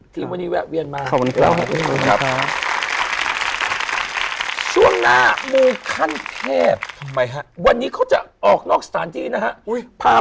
ทีมวันนี้แวะเวียนมา